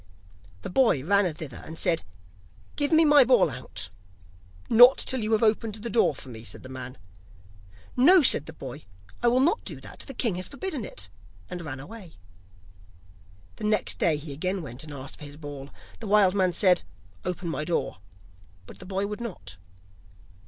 The boy ran thither and said: 'Give me my ball out.' 'Not till you have opened the door for me,' answered the man. 'No,' said the boy, 'I will not do that; the king has forbidden it,' and ran away. The next day he again went and asked for his ball; the wild man said: 'Open my door,' but the boy would not.